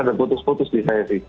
ada putus putus di saya sih